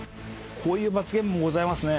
こういう罰ゲームもございますね。